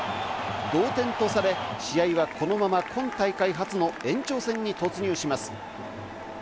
同点とされ、試合はこのまま今大会初の延長戦に突入します。